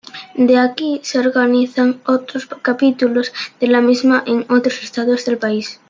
De aquí, se organizan otros capítulos de la misma en otros estados del país.